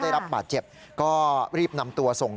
ได้รับบาดเจ็บก็รีบนำตัวส่ง